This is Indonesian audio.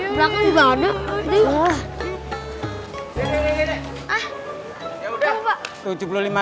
belakang juga ada